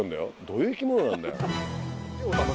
どういう生き物なんだよ。